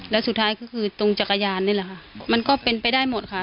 แล้วสุดท้ายก็คือตรงจักรยานนี่แหละค่ะมันก็เป็นไปได้หมดค่ะ